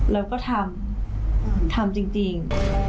แล้วก็ทำทำจริง